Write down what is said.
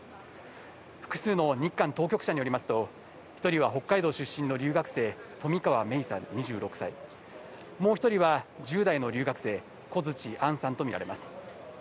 複数の日韓当局者によりますと１人は北海道出身の留学生、冨川芽生さん２６歳、もう１人は１０代の留学生、コヅチアンさんとみられます。